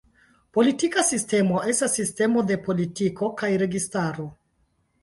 Politika sistemo estas sistemo de politiko kaj registaro.